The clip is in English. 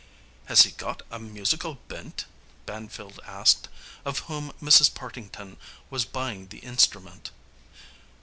"Has he got a musical bent?" Banfield asked, of whom Mrs. Partington was buying the instrument.